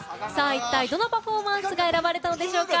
一体どのパフォーマンスが選ばれたのでしょうか？